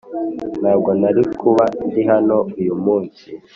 ntabwo nari kuba ndi hano uyu munsi ....